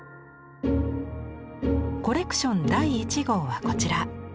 コレクション第一号はこちら。